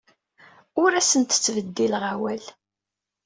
Ur asent-ttbeddileɣ awal.